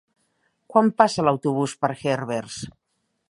Quan passa l'autobús per Herbers?